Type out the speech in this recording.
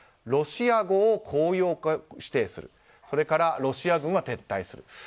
ロシア語を公用語指定するそれからロシア軍は撤退する。